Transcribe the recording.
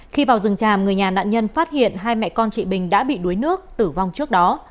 khi vào rừng tràm người nhà nạn nhân phát hiện hai mẹ con chị bình đã bị đuối nước tử vong trước đó